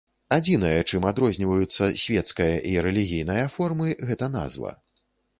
Адзінае, чым адрозніваюцца свецкая і рэлігійная формы, гэта назва.